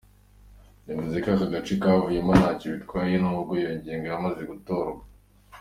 Yavuze ko ako gace kavuyemo ntacyo byatwara n’ubwo iyo ngingo yamaze gutorwa.